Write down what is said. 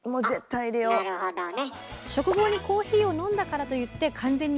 あっなるほどね。